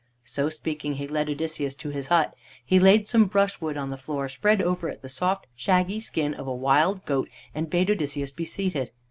So speaking, he led Odysseus to his hut. He laid some brushwood on the floor, spread over it the soft, shaggy skin of a wild goat, and bade Odysseus be seated.